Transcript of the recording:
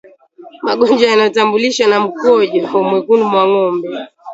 Magonjwa yanayotambulishwa na mkojo mwekundu kwa ngombe